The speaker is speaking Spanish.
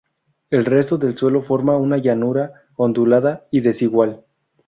El resto del suelo forma una llanura ondulada y desigual.